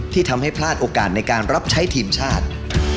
ทำให้พลาดโอกาสในการรับใช้ทีมชาติ